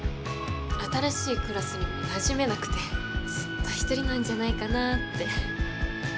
新しいクラスにもなじめなくてずっとひとりなんじゃないかなって。